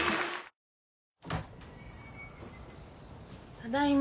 ただいま。